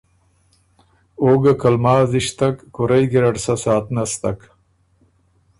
او ګه که لماز ایشتک کُورئ ګیرډ سۀ ساعت نستک